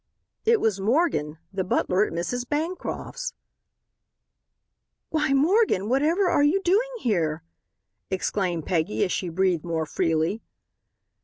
It was Morgan, the butler at Mrs. Bancroft's. "Why, Morgan, whatever are you doing here?" exclaimed Peggy as she breathed more freely.